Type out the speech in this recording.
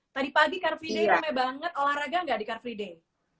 tadi pagi car free day rame banget olahraga nggak di car free day